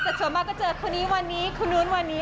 แต่ส่วนมากก็เจอคนนี้วันนี้คนนู้นวันนี้